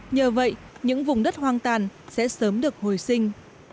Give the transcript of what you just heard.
nhờ vậy những vùng đất hoang tàn sẽ sớm được hồi sinh